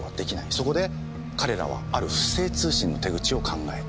そこで彼らはある不正通信の手口を考えた。